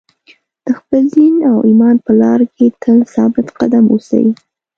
د خپل دین او ایمان په لار کې تل ثابت قدم اوسئ.